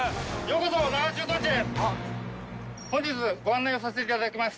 本日ご案内をさせていただきます